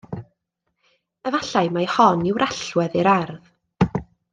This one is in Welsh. Efallai mai hon yw'r allwedd i'r ardd.